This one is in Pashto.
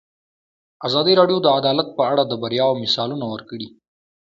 ازادي راډیو د عدالت په اړه د بریاوو مثالونه ورکړي.